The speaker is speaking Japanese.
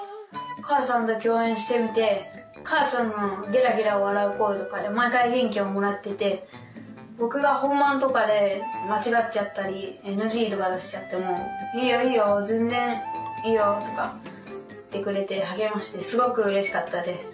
母さんと共演してみて母さんのゲラゲラ笑う声とかで毎回元気をもらってて僕が本番とかで間違っちゃったりＮＧとか出しちゃっても「いいよいいよ全然いいよ」とか言ってくれて励ましてすごくうれしかったです。